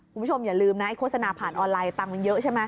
คุณผู้ชมอย่าลืมนะไอโฆษณาผ่านออนไลน์ตังค์มันเยอะใช่ไหม